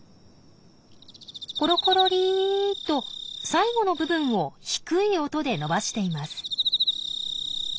コロコロリーと最後の部分を低い音で伸ばしています。